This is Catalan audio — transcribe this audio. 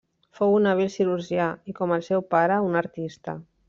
Fou un hàbil cirurgià i, com el seu pare, un artista.